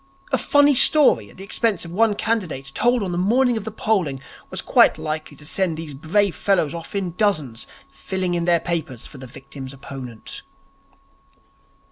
A funny story at the expense of one candidate told on the morning of the polling, was quite likely to send these brave fellows off in dozens filling in their papers for the victim's opponent.